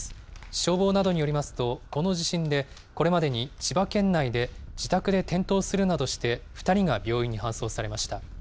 消防などによりますと、この地震でこれまでに、千葉県内で自宅で転倒するなどして２人が病院に搬送されました。